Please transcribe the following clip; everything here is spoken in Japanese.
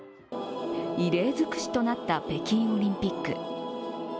異例尽くしとなった北京オリンピック。